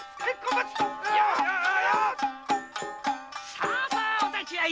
さあさあお立ち会い！